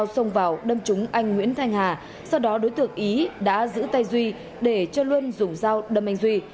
sau đó đối tượng ý đã giữ tay duy để cho luân dùng dao đâm anh duy